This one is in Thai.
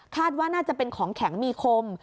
ว่าน่าจะเป็นของแข็งมีคม